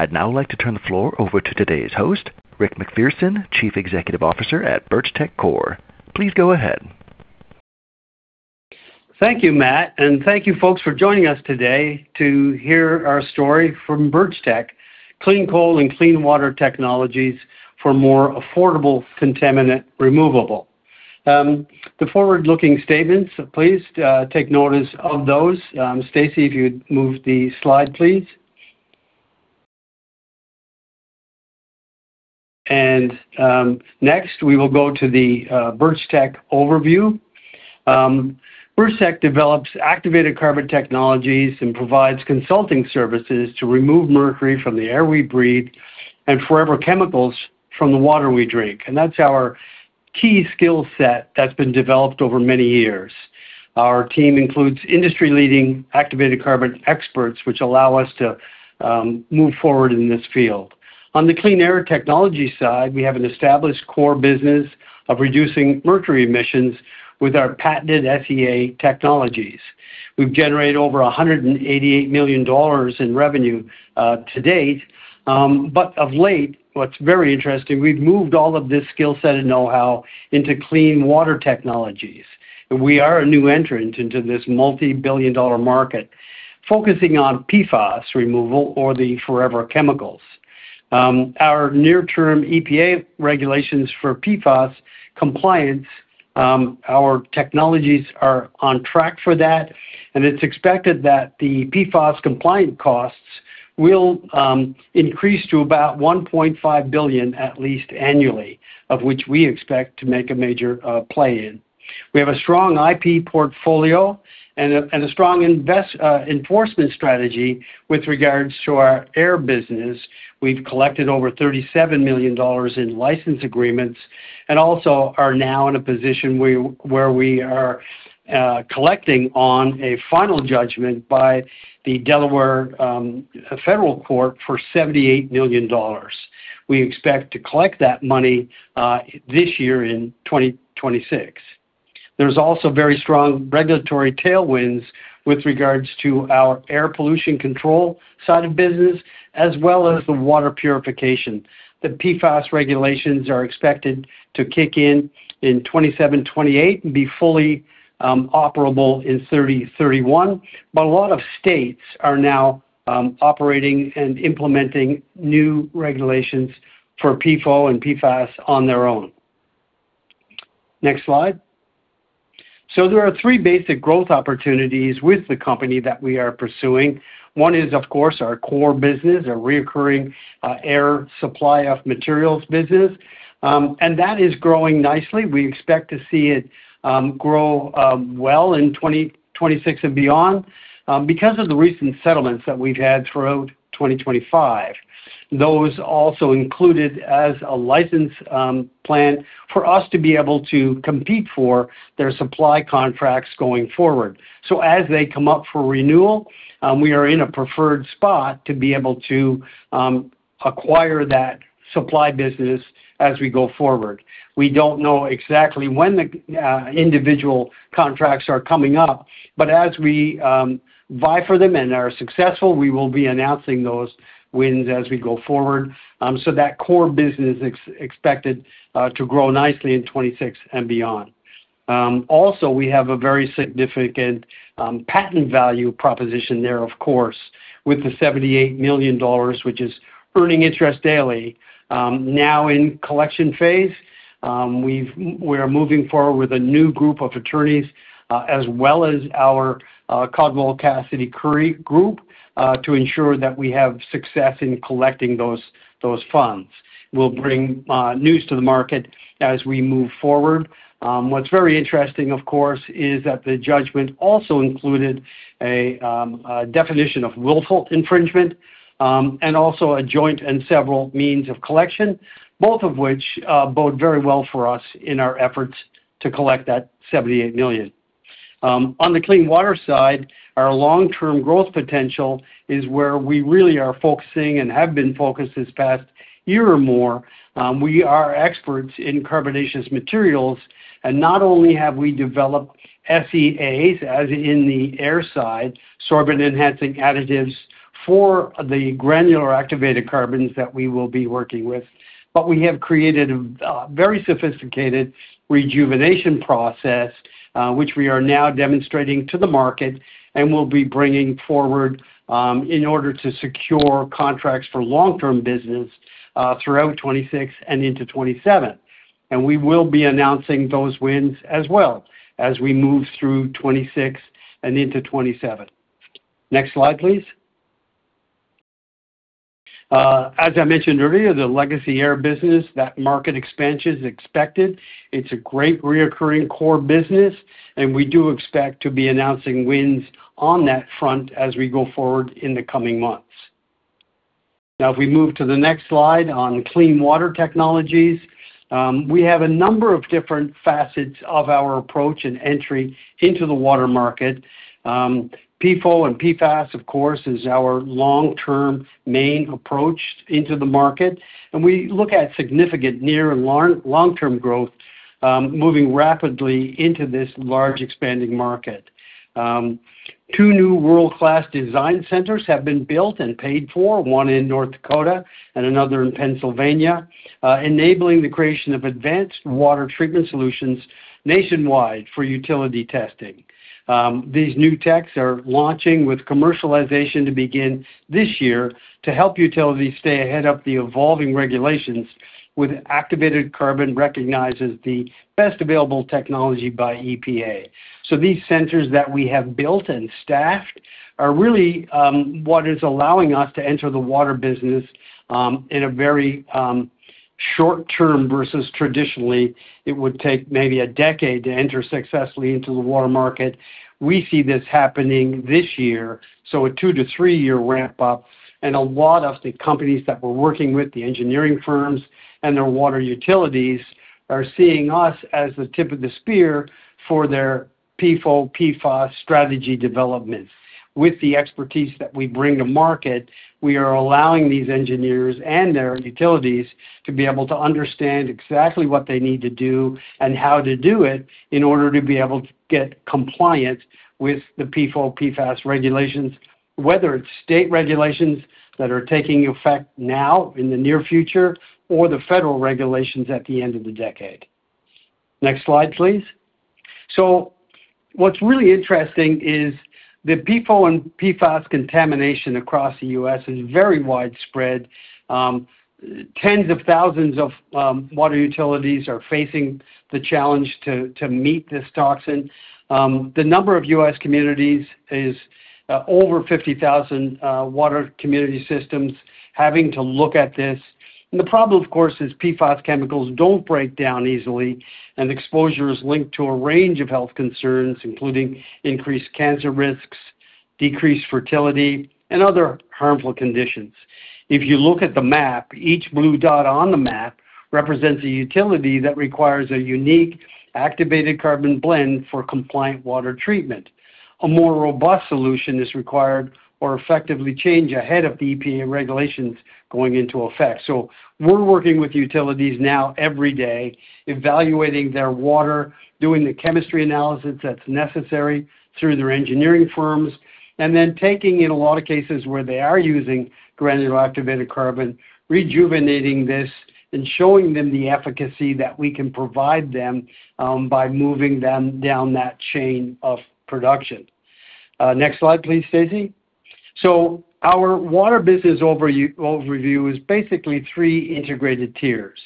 I'd now like to turn the floor over to today's host, Rick MacPherson, Chief Executive Officer at Birchtech Corp. Please go ahead. Thank you, Matt, and thank you folks for joining us today to hear our story from Birchtech. Clean coal and clean water technologies for more affordable contaminant removal. The forward-looking statements, please take notice of those. Stacey, if you'd move the slide, please. Next we will go to the Birchtech overview. Birchtech develops activated carbon technologies and provides consulting services to remove mercury from the air we breathe and forever chemicals from the water we drink. That's our key skill set that's been developed over many years. Our team includes industry-leading activated carbon experts, which allow us to move forward in this field. On the Clean Air technology side, we have an established core business of reducing mercury emissions with our patented SEA technologies. We've generated over $188 million in revenue to date. Of late, what's very interesting, we've moved all of this skill set and know-how into clean water technologies. We are a new entrant into this multi-billion-dollar market, focusing on PFAS removal or the forever chemicals. Our near-term EPA regulations for PFAS compliance. Our technologies are on track for that, and it's expected that the PFAS compliance costs will increase to about $1.5 billion at least annually, of which we expect to make a major play in. We have a strong IP portfolio and a strong IP enforcement strategy with regards to our air business. We've collected over $37 million in license agreements and also are now in a position where we are collecting on a final judgment by the Delaware Federal Court for $78 million. We expect to collect that money this year in 2026. There's also very strong regulatory tailwinds with regards to our air pollution control side of business as well as the water purification. The PFAS regulations are expected to kick in in 2027-2028 and be fully operable in 2030-2031. A lot of states are now operating and implementing new regulations for PFOA and PFAS on their own. Next slide. There are three basic growth opportunities with the company that we are pursuing. One is, of course, our core business, a recurring air supply of materials business, and that is growing nicely. We expect to see it grow well in 2026 and beyond, because of the recent settlements that we've had throughout 2025. Those also included as a license, plan for us to be able to compete for their supply contracts going forward. As they come up for renewal, we are in a preferred spot to be able to, acquire that supply business as we go forward. We don't know exactly when the individual contracts are coming up, but as we vie for them and are successful, we will be announcing those wins as we go forward. That core business expected to grow nicely in 2026 and beyond. Also we have a very significant, patent value proposition there, of course, with the $78 million, which is earning interest daily. Now in collection phase, we are moving forward with a new group of attorneys, as well as our Caldwell Cassady & Curry group, to ensure that we have success in collecting those funds. We'll bring news to the market as we move forward. What's very interesting, of course, is that the judgment also included a definition of willful infringement, and also a joint and several means of collection, both of which bode very well for us in our efforts to collect that $78 million. On the clean water side, our long-term growth potential is where we really are focusing and have been focused this past year or more. We are experts in carbonaceous materials, and not only have we developed SEAs, as in the air side, sorbent enhancing additives for the granular activated carbons that we will be working with. We have created a very sophisticated rejuvenation process, which we are now demonstrating to the market and will be bringing forward, in order to secure contracts for long-term business, throughout 2026 and into 2027. We will be announcing those wins as well as we move through 2026 and into 2027. Next slide, please. As I mentioned earlier, the legacy air business, that market expansion is expected. It's a great recurring core business, and we do expect to be announcing wins on that front as we go forward in the coming months. Now, if we move to the next slide on clean water technologies, we have a number of different facets of our approach and entry into the water market. PFOA and PFAS, of course, is our long-term main approach into the market, and we look at significant near- and long-term growth, moving rapidly into this large expanding market. Two new world-class design centers have been built and paid for, one in North Dakota and another in Pennsylvania, enabling the creation of advanced water treatment solutions nationwide for utility testing. These new techs are launching with commercialization to begin this year to help utilities stay ahead of the evolving regulations with activated carbon recognized as the best available technology by EPA. These centers that we have built and staffed are really what is allowing us to enter the water business in a very short term versus traditionally it would take maybe a decade to enter successfully into the water market. We see this happening this year, so a two to three-year ramp-up. A lot of the companies that we're working with, the engineering firms and their water utilities, are seeing us as the tip of the spear for their PFOA/PFAS strategy developments. With the expertise that we bring to market, we are allowing these engineers and their utilities to be able to understand exactly what they need to do and how to do it in order to be able to get compliant with the PFOA/PFAS regulations, whether it's state regulations that are taking effect now in the near future or the federal regulations at the end of the decade. Next slide, please. What's really interesting is that PFOA and PFAS contamination across the U.S. is very widespread. Tens of thousands of water utilities are facing the challenge to meet this toxin. The number of U.S. communities is over 50,000 water community systems having to look at this. The problem, of course, is PFAS chemicals don't break down easily, and exposure is linked to a range of health concerns, including increased cancer risks, decreased fertility, and other harmful conditions. If you look at the map, each blue dot on the map represents a utility that requires a unique activated carbon blend for compliant water treatment. A more robust solution is required to effectively change ahead of the EPA regulations going into effect. We're working with utilities now every day, evaluating their water, doing the chemistry analysis that's necessary through their engineering firms, and then taking in a lot of cases where they are using granular activated carbon, rejuvenating this and showing them the efficacy that we can provide them by moving them down that chain of production. Next slide, please, Stacey. Our water business overview is basically three integrated tiers.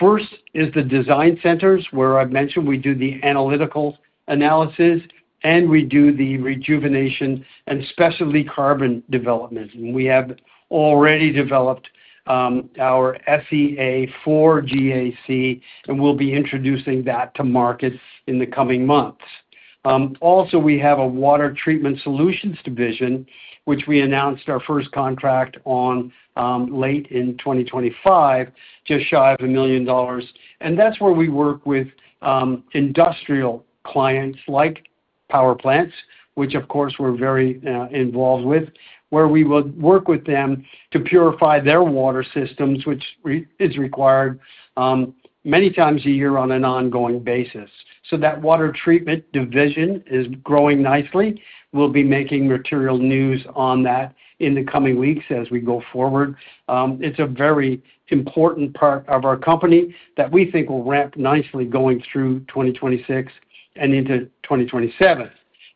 First is the design centers where I've mentioned we do the analytical analysis, and we do the rejuvenation and specialty carbon development. We have already developed our SEA4GAC, and we'll be introducing that to markets in the coming months. Also, we have a water treatment solutions division, which we announced our first contract on late in 2025, just shy of $1 million. That's where we work with industrial clients like power plants, which of course we're very involved with, where we will work with them to purify their water systems, which is required many times a year on an ongoing basis. That water treatment division is growing nicely. We'll be making material news on that in the coming weeks as we go forward. It's a very important part of our company that we think will ramp nicely going through 2026 and into 2027.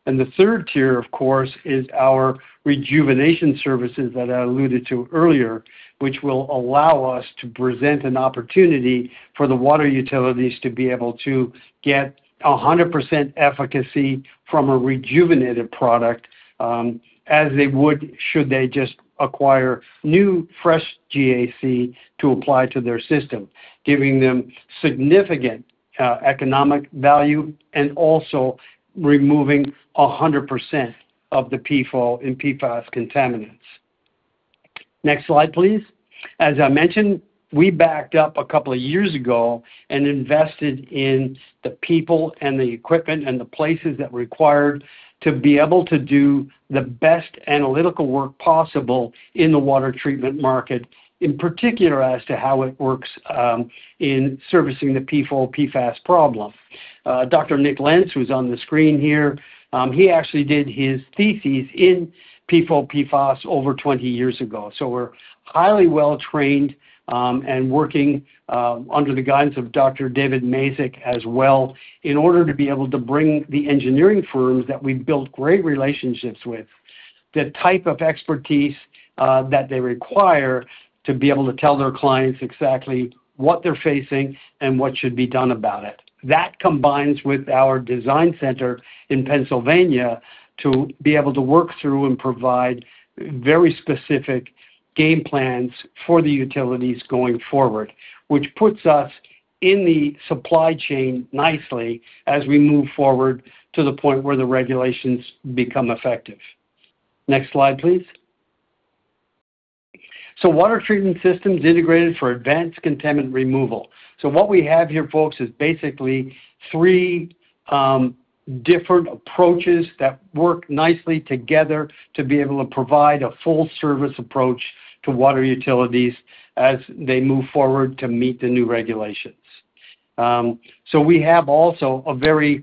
The third tier, of course, is our rejuvenation services that I alluded to earlier, which will allow us to present an opportunity for the water utilities to be able to get 100% efficacy from a rejuvenated product, as they would should they just acquire new, fresh GAC to apply to their system, giving them significant economic value and also removing 100% of the PFOA and PFAS contaminants. Next slide, please. As I mentioned, we backed up a couple of years ago and invested in the people and the equipment and the places that required to be able to do the best analytical work possible in the water treatment market, in particular as to how it works, in servicing the PFOA/PFAS problem. Dr. Nick Lentz, who's on the screen here, he actually did his thesis in PFOA/PFAS over 20 years ago. We're highly well trained, and working, under the guidance of Dr. David Mazyck as well in order to be able to bring the engineering firms that we've built great relationships with, the type of expertise, that they require to be able to tell their clients exactly what they're facing and what should be done about it. That combines with our design center in Pennsylvania to be able to work through and provide very specific game plans for the utilities going forward, which puts us in the supply chain nicely as we move forward to the point where the regulations become effective. Next slide, please. Water treatment systems integrated for advanced contaminant removal. What we have here, folks, is basically three different approaches that work nicely together to be able to provide a full-service approach to water utilities as they move forward to meet the new regulations. We have also a very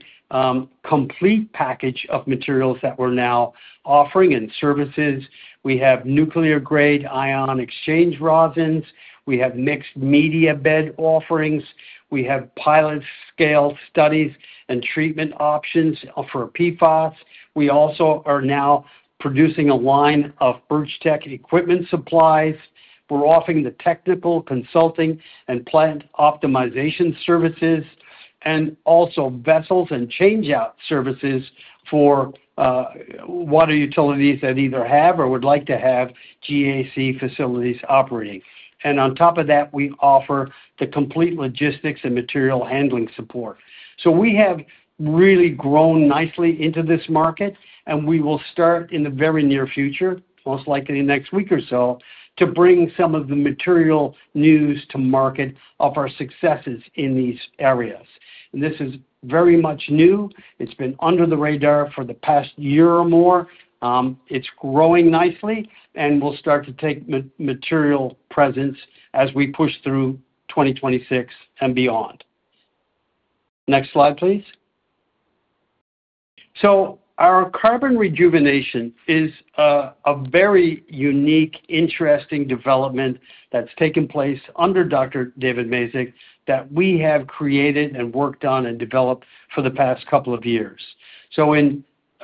complete package of materials that we're now offering and services. We have nuclear-grade ion exchange resins. We have mixed media bed offerings. We have pilot-scale studies and treatment options for PFAS. We also are now producing a line of Birchtech equipment supplies. We're offering the technical consulting and plant optimization services and also vessels and change-out services for water utilities that either have or would like to have GAC facilities operating. On top of that, we offer the complete logistics and material handling support. We have really grown nicely into this market, and we will start in the very near future, most likely next week or so, to bring some of the material news to market of our successes in these areas. This is very much new. It's been under the radar for the past year or more. It's growing nicely, and we'll start to take material presence as we push through 2026 and beyond. Next slide, please. Our carbon rejuvenation is a very unique, interesting development that's taken place under Dr. David Mazyck that we have created and worked on and developed for the past couple of years.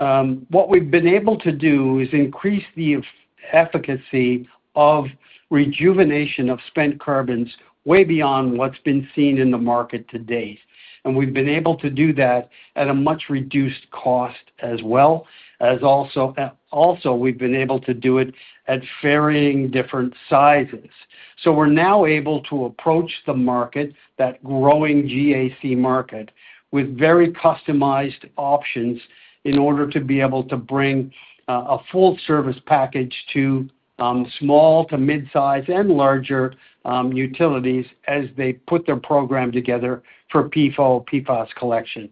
What we've been able to do is increase the efficacy of rejuvenation of spent carbons way beyond what's been seen in the market to date. We've been able to do that at a much reduced cost as well as also we've been able to do it at varying different sizes. We're now able to approach the market, that growing GAC market, with very customized options in order to be able to bring a full-service package to small to midsize and larger utilities as they put their program together for PFOA/PFAS collection.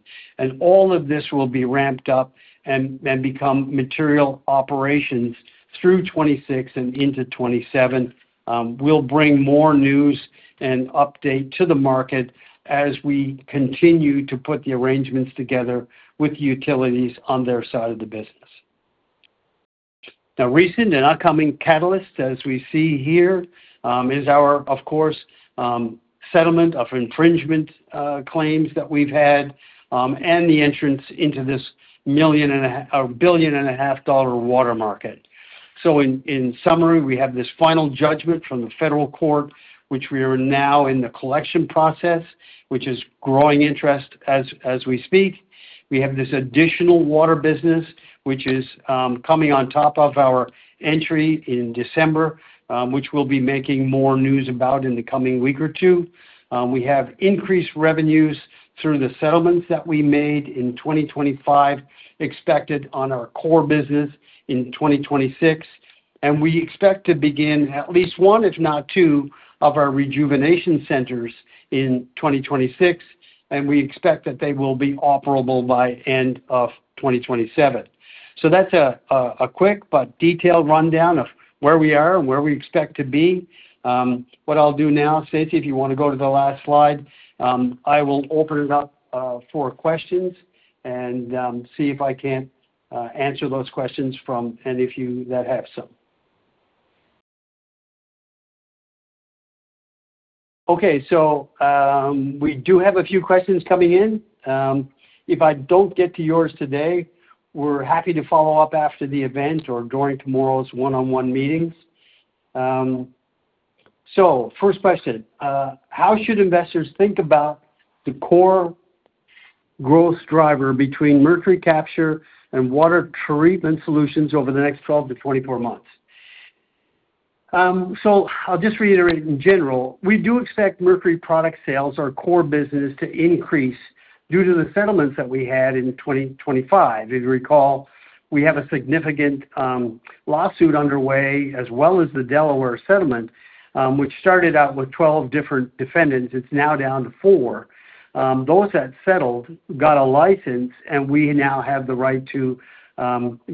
All of this will be ramped up and become material operations through 2026 and into 2027. We'll bring more news and update to the market as we continue to put the arrangements together with utilities on their side of the business. Now recent and upcoming catalysts, as we see here, is our, of course, settlement of infringement claims that we've had, and the entrance into this $1.5 billion water market. In summary, we have this final judgment from the federal court, which we are now in the collection process, which is growing interest as we speak. We have this additional water business, which is coming on top of our entry in December, which we'll be making more news about in the coming week or two. We have increased revenues through the settlements that we made in 2025 expected on our core business in 2026. We expect to begin at least one, if not two, of our rejuvenation centers in 2026, and we expect that they will be operable by end of 2027. That's a quick but detailed rundown of where we are and where we expect to be. What I'll do now, Stacey, if you wanna go to the last slide, I will open it up for questions and see if I can't answer those questions from any of you that have some. Okay. We do have a few questions coming in. If I don't get to yours today, we're happy to follow up after the event or during tomorrow's one-on-one meetings. First question. How should investors think about the core growth driver between mercury capture and water treatment solutions over the next 12-24 months? I'll just reiterate in general, we do expect mercury product sales, our core business, to increase due to the settlements that we had in 2025. If you recall, we have a significant lawsuit underway as well as the Delaware settlement, which started out with 12 different defendants. It's now down to four. Those that settled got a license, and we now have the right to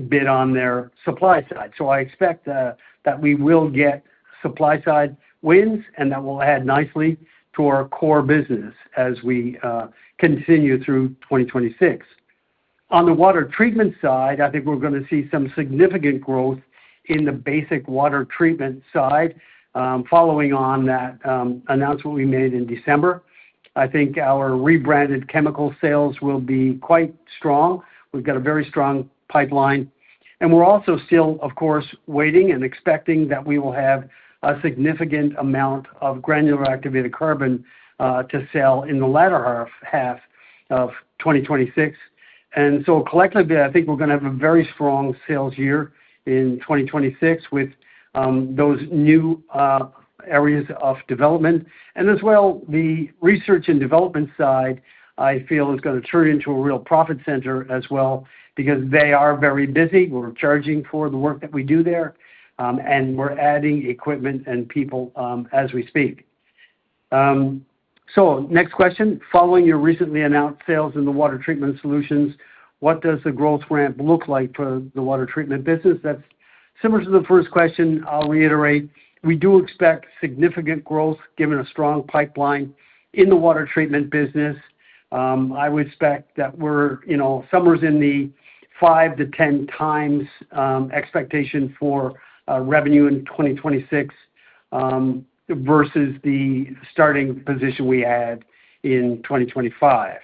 bid on their supply side. I expect that we will get supply side wins and that will add nicely to our core business as we continue through 2026. On the Water Treatment side, I think we're gonna see some significant growth in the basic water treatment side, following on that announcement we made in December. I think our rebranded chemical sales will be quite strong. We've got a very strong pipeline. We're also still, of course, waiting and expecting that we will have a significant amount of granular activated carbon to sell in the latter half of 2026. Collectively, I think we're going to have a very strong sales year in 2026 with those new areas of development. As well, the research and development side, I feel is going to turn into a real profit center as well because they are very busy. We're charging for the work that we do there, and we're adding equipment and people as we speak. Next question. Following your recently announced sales in the water treatment solutions, what does the growth ramp look like for the Water Treatment business? That's similar to the first question. I'll reiterate, we do expect significant growth given a strong pipeline in the Water Treatment business. I would expect that we're, you know, somewhere in the 5x-10x expectation for revenue in 2026 versus the starting position we had in 2025.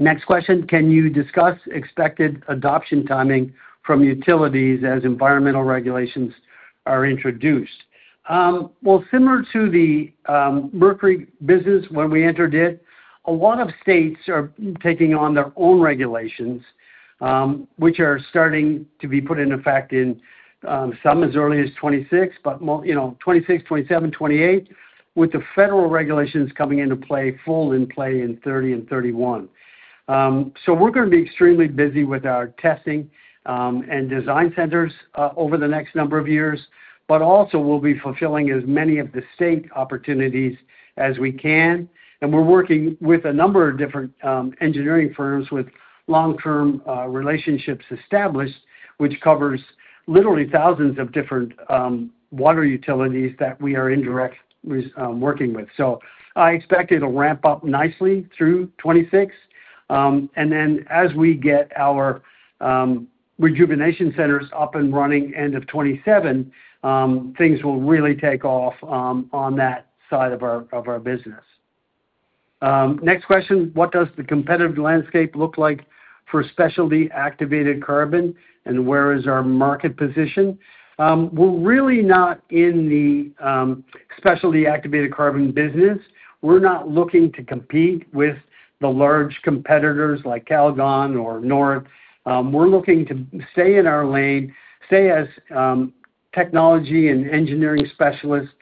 Next question. Can you discuss expected adoption timing from utilities as environmental regulations are introduced? Well, similar to the mercury business when we entered it, a lot of states are taking on their own regulations, which are starting to be put into effect in some as early as 2026, but, you know, 2026, 2027, 2028, with the federal regulations coming into play, fully in play in 2030 and 2031. We're going to be extremely busy with our testing and design centers over the next number of years, but also we'll be fulfilling as many of the state opportunities as we can. We're working with a number of different engineering firms with long-term relationships established, which covers literally thousands of different water utilities that we are indirectly working with. I expect it'll ramp up nicely through 2026. As we get our rejuvenation centers up and running end of 2027, things will really take off on that side of our business. Next question. What does the competitive landscape look like for specialty activated carbon, and where is our market position? We're really not in the specialty activated carbon business. We're not looking to compete with the large competitors like Calgon or Norit. We're looking to stay in our lane, stay as technology and engineering specialists,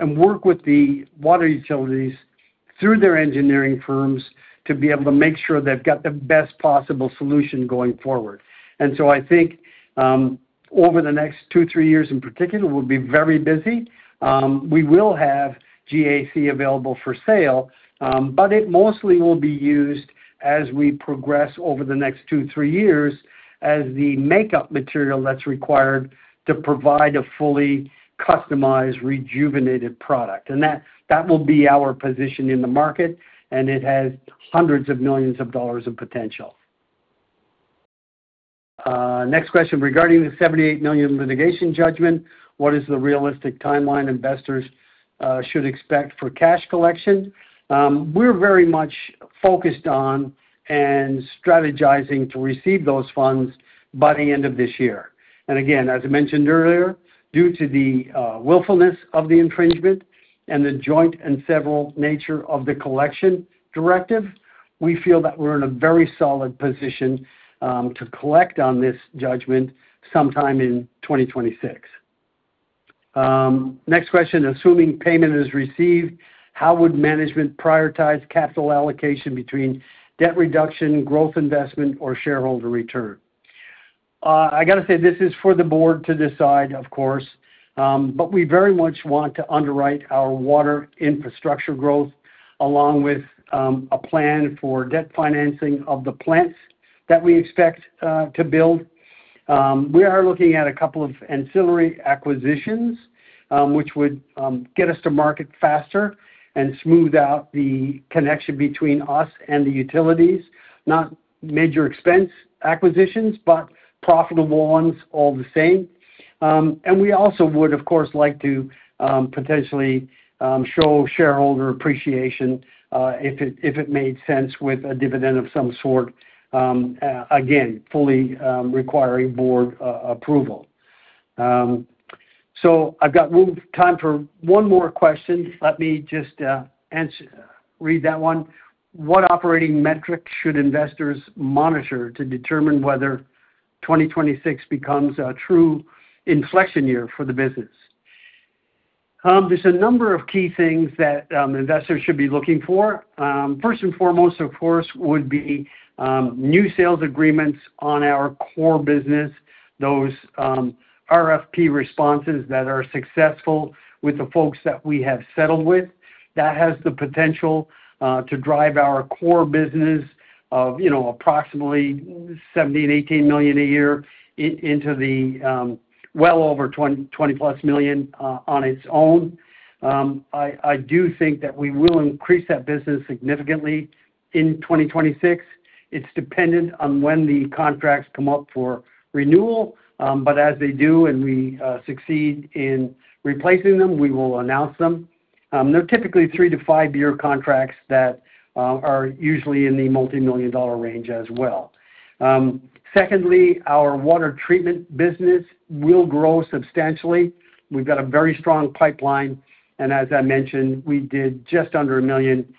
and work with the water utilities through their engineering firms to be able to make sure they've got the best possible solution going forward. I think over the next two to three years in particular, we'll be very busy. We will have GAC available for sale, but it mostly will be used as we progress over the next two to three years as the makeup material that's required to provide a fully customized rejuvenated product. That will be our position in the market, and it has hundreds of millions of dollars of potential. Next question. Regarding the $78 million litigation judgment, what is the realistic timeline investors should expect for cash collection? We're very much focused on and strategizing to receive those funds by the end of this year. Again, as I mentioned earlier, due to the willfulness of the infringement and the joint and several nature of the collection directive, we feel that we're in a very solid position to collect on this judgment sometime in 2026. Next question. Assuming payment is received, how would management prioritize capital allocation between debt reduction, growth investment, or shareholder return? I got to say this is for the board to decide, of course. We very much want to underwrite our water infrastructure growth along with a plan for debt financing of the plants that we expect to build. We are looking at a couple of ancillary acquisitions, which would get us to market faster and smooth out the connection between us and the utilities. Not major expense acquisitions, but profitable ones all the same. We also would, of course, like to potentially show shareholder appreciation, if it made sense with a dividend of some sort, again, fully requiring board approval. I've got time for one more question. Let me just read that one. What operating metrics should investors monitor to determine whether 2026 becomes a true inflection year for the business? There's a number of key things that investors should be looking for. First and foremost, of course, would be new sales agreements on our core business. Those RFP responses that are successful with the folks that we have settled with that has the potential to drive our core business of you know approximately $78 million a year into the well over $20+ million on its own. I do think that we will increase that business significantly in 2026. It's dependent on when the contracts come up for renewal, but as they do and we succeed in replacing them, we will announce them. They're typically three to five-year contracts that are usually in the multi-million dollar range as well. Secondly, our Water Treatment business will grow substantially. We've got a very strong pipeline, and as I mentioned, we did just under $1 million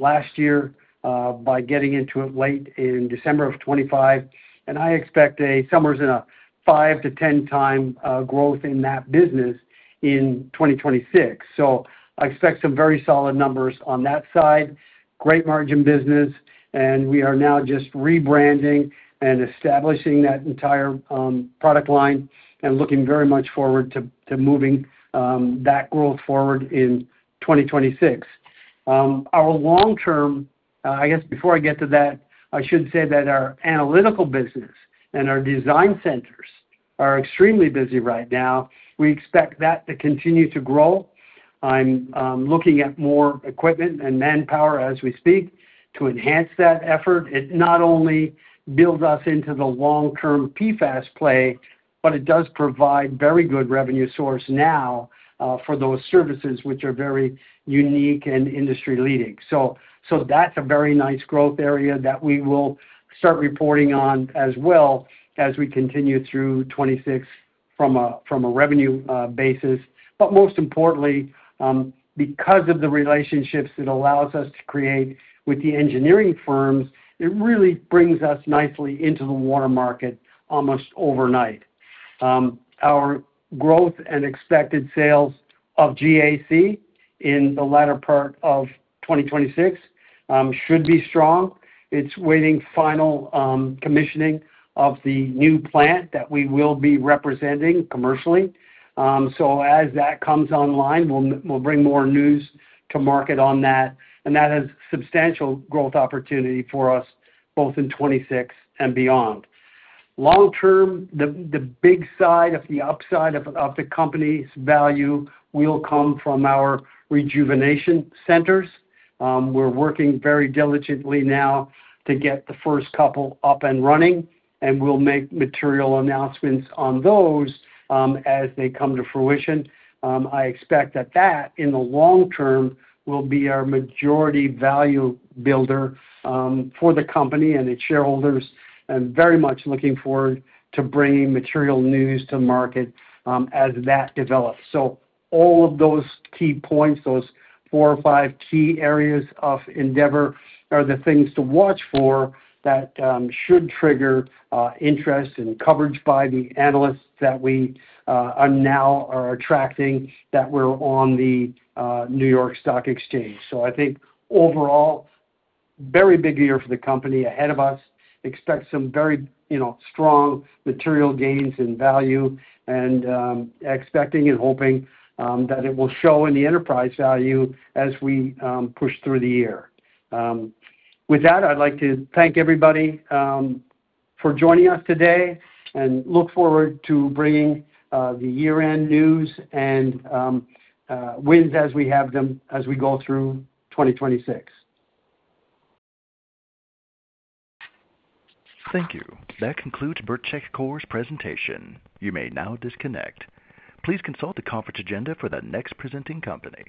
last year by getting into it late in December 2025, and I expect somewhere in a 5x-10x growth in that business in 2026. I expect some very solid numbers on that side. Great margin business, and we are now just rebranding and establishing that entire product line and looking very much forward to moving that growth forward in 2026. I guess before I get to that, I should say that our analytical business and our design centers are extremely busy right now. We expect that to continue to grow. I'm looking at more equipment and manpower as we speak to enhance that effort. It not only builds us into the long-term PFAS play, but it does provide very good revenue source now for those services which are very unique and industry-leading. That's a very nice growth area that we will start reporting on as well as we continue through 2026 from a revenue basis. Most importantly, because of the relationships it allows us to create with the engineering firms, it really brings us nicely into the water market almost overnight. Our growth and expected sales of GAC in the latter part of 2026 should be strong. It's waiting final commissioning of the new plant that we will be representing commercially. As that comes online, we'll bring more news to market on that, and that has substantial growth opportunity for us both in 2026 and beyond. Long term, the big side of the upside of the company's value will come from our rejuvenation centers. We're working very diligently now to get the first couple up and running, and we'll make material announcements on those as they come to fruition. I expect that, in the long term, will be our majority value builder for the company and its shareholders and very much looking forward to bringing material news to market as that develops. All of those key points, those four or five key areas of endeavor are the things to watch for that should trigger interest and coverage by the analysts that we are now attracting that we're on the New York Stock Exchange. I think overall, very big year for the company ahead of us. Expect some very, you know, strong material gains in value and, expecting and hoping, that it will show in the enterprise value as we push through the year. With that, I'd like to thank everybody for joining us today and look forward to bringing the year-end news and wins as we have them as we go through 2026. Thank you. That concludes Birchtech Corp's presentation. You may now disconnect. Please consult the conference agenda for the next presenting company.